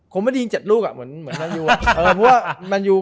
คงไม่ได้ยิง๗ลูกอ่ะเหมือนแมนยูอ่ะ